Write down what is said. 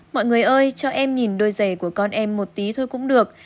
mọi người ơi cho em nhìn đôi giày của con em một tí thôi cũng được